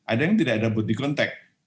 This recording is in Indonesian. ada yang tidak ada body contact